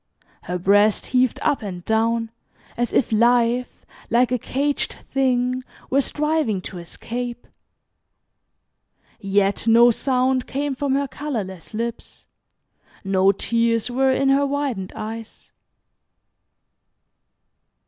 Her breast heaved up and down, as if life, like a caged thing, were striving to escape. Yet no sound came from her colorless lips, no tears were in her widened eyes.